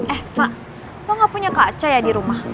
eh fak lo gak punya kaca ya di rumah